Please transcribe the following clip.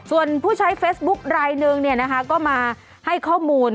ส่วนผู้ใช้เฟสบุ๊กไลน์เนี้ยนะคะก็มาให้ข้อมูล